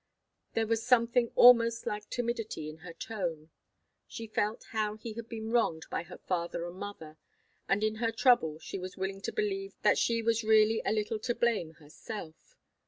There was something almost like timidity in her tone. She felt how he had been wronged by her father and mother, and in her trouble she was willing to believe that she was really a little to blame herself.